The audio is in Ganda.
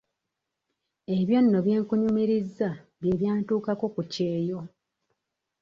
Ebyo nno bye nkunyumirizza bye byantuukako ku kyeyo.